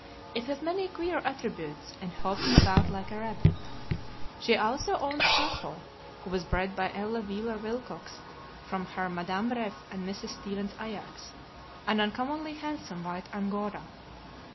It has many queer attributes, and hops about like a rabbit. She also owns Sapho, who was bred by Ella Wheeler Wilcox from her Madame Ref and Mr. Stevens's Ajax, an uncommonly handsome white Angora.